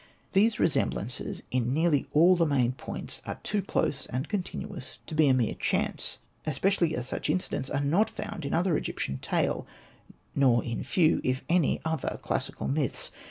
These resemblances in nearly all the main points are too close and continuous to be a mere chance, especially as such incidents are not found in any other Egyptian tale, nor in few — if any — other classical myths.